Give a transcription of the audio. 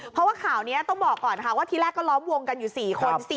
เพราะว่าข่าวนี้ต้องบอกก่อนค่ะว่าที่แรกก็ล้อมวงกันอยู่๔คน